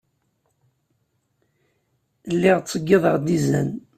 Lliɣ ttṣeyyideɣ-d izan.